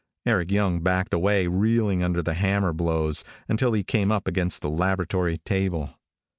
Eric Young backed away, reeling under the hammer blows, until he came up against the laboratory table.